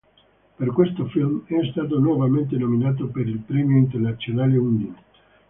Per questo film è stato nuovamente nominato per il premio internazionale Undine.